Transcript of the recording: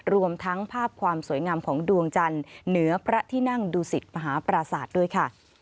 รวมทั้งภาพความสวยงามของดวงจันทร์เหนือพระที่นั่งดูสิตมหาปราศาสตร์ด้วยค่ะ